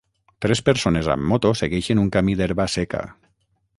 Tres persones amb moto segueixen un camí d'herba seca.